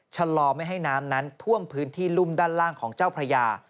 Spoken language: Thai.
ชะลอไม่ให้น้ำนั้นท่วมพื้นที่รุ่มด้านล่างของเจ้าพระยา